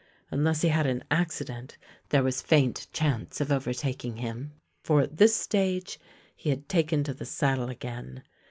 Unless he had an accident there was faint chance of overtaking him, for at this stage he had taken to the saddle again.